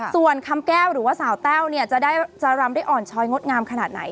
ส่วนคำแก้วหรือว่าสาวแต้วเนี่ยจะรำได้อ่อนชอยงดงามขนาดไหน